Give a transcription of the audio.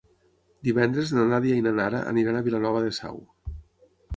Divendres na Nàdia i na Nara aniran a Vilanova de Sau.